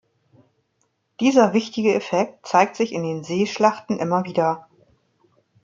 Dieser wichtige Effekt zeigt sich in den Seeschlachten immer wieder.